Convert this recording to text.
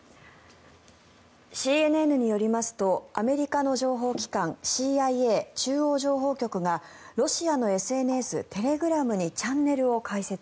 ＣＮＮによりますとアメリカの情報機関ＣＩＡ・中央情報局がロシアのＳＮＳ、テレグラムにチャンネルを開設。